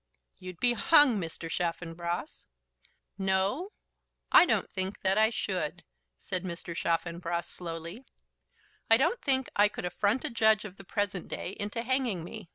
'" "You'd be hung, Mr. Chaffanbrass." "No; I don't know that I should," said Mr. Chaffanbrass, slowly. "I don't think I could affront a judge of the present day into hanging me.